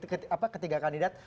dan kita sepakat ketiga kandidat